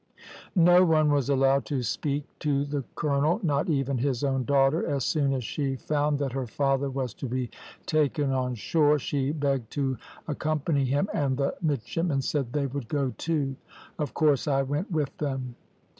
"No one was allowed to speak to the colonel, not even his own daughter; as soon as she found that her father was to be taken on shore, she begged to accompany him, and the midshipmen said they would go too. Of course I went with them.